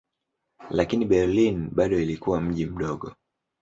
Lakini Berlin bado ilikuwa mji mmoja.